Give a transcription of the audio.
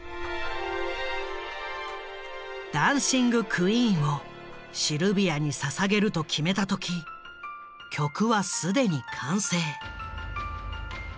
「ダンシング・クイーン」をシルビアにささげると決めた時曲は既に完成。